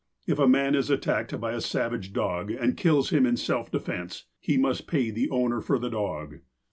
If a man is attacked by a savage dog, and kills him in self defense, he must i)ay the owner for the dog.